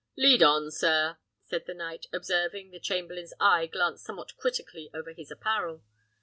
"Lead on, sir!" said the knight, observing the chamberlain's eye glance somewhat critically over his apparel.